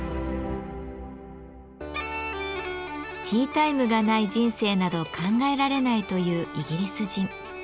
ティータイムがない人生など考えられないというイギリス人。